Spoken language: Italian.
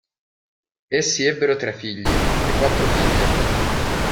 Essi ebbero tre figli e quattro figlie.